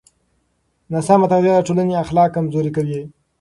ناسمه تغذیه د ټولنې اخلاق کمزوري کوي.